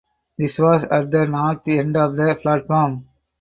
This was at the north end of the platform.